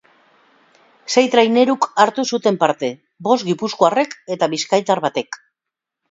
Sei traineruk hartu zuten parte, bost gipuzkoarrek eta bizkaitar batek.